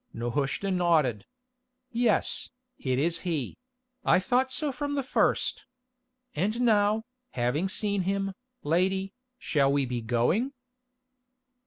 Nehushta nodded. "Yes, it is he; I thought so from the first. And now, having seen him, lady, shall we be going?"